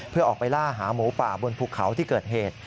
เพื่อออกไปล่าหาหมูป่าบนภูเขาที่เกิดเหตุ